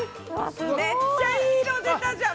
めっちゃいい色出たじゃん！